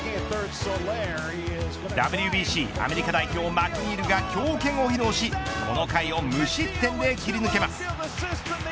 ＷＢＣアメリカ代表マクニールが強肩を披露し、この回を無失点で切り抜けます。